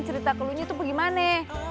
cerita ke lo itu bagaimana